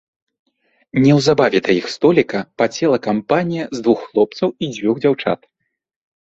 Неўзабаве да іх століка падсела кампанія з двух хлопцаў і дзвюх дзяўчат.